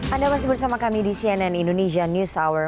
anda masih bersama kami di cnn indonesia news hour